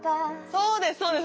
そうですそうです。